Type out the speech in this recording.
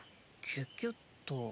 キュキュッと。